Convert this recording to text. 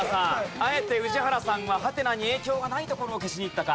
あえて宇治原さんはハテナに影響がない所を消しにいったか？